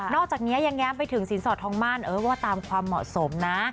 อกจากนี้ยังแย้มไปถึงสินสอดทองมั่นเออว่าตามความเหมาะสมนะ